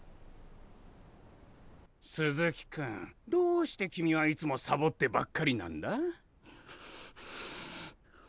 鈴木君どうして君はいつもサボってばっかりなんだ。